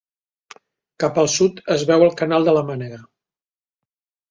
Cap al sud es veu el canal de la Mànega.